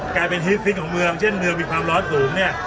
กลายเป็นฮีฟิตของเมืองเช่นเมืองมีความร้อนสูงเนี่ย